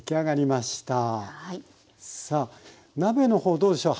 さあ鍋のほうどうでしょう？